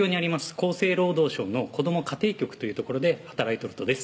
厚生労働省の子ども家庭局という所で働いとるとです